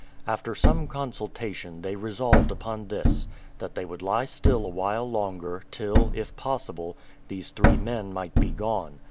After some consultation they resolved upon this; that they would lie still a while longer, till, if possible, these three men might be gone.